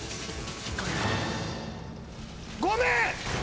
ごめん！